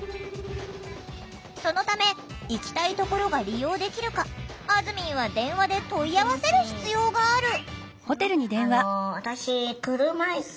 そのため行きたいところが利用できるかあずみんは電話で問い合わせる必要がある！